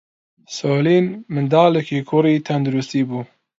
سۆلین منداڵێکی کوڕی تەندروستی بوو.